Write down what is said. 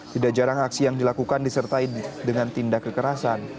tidak jarang aksi yang dilakukan disertai dengan tindak kekerasan